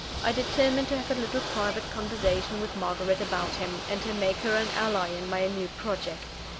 I determined to have a little private conversation with Margaret about him; and to make her an ally in my new project.